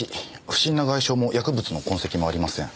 不審な外傷も薬物の痕跡もありません。